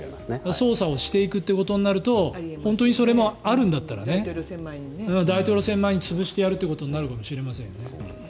捜査をしていくということになると本当にそれがあるんだったらね大統領選前に潰してやるということになるかもしれませんよね。